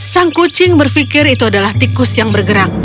sang kucing berpikir itu adalah tikus yang bergerak